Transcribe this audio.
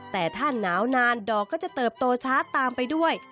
แต่ถ้าหนาวนานดอกก็จะเติบโตช้าตามไปด้วย